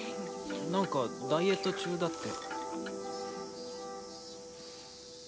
なんかダイエット中だって。